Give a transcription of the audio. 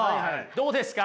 どうですか？